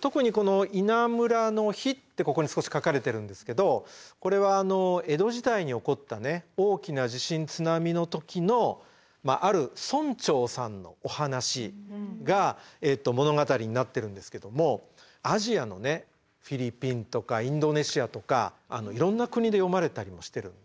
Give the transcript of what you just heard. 特にこの「稲むらの火」ってここに少し書かれてるんですけどこれは江戸時代に起こったね大きな地震津波の時のある村長さんのお話が物語になってるんですけどもアジアのねフィリピンとかインドネシアとかいろんな国で読まれたりもしてるんですね。